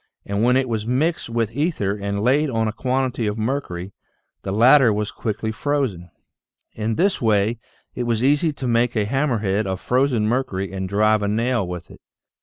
and when it was mixed with ether and laid on a quantity of mercury, the latter was 94 THE SEVEN FOLLIES OF SCIENCE quickly frozen. In this way it was easy to make a ham mer head of frozen mercury and drive a nail with it.